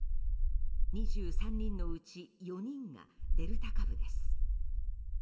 ２３人のうち４人がデルタ株です。